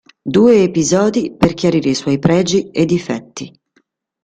Due episodi per chiarire i suoi pregi e difetti.